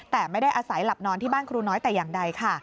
แต่ไม่ได้อาศัยหลับนอนที่บ้านครูน้อยแต่อย่างใดค่ะ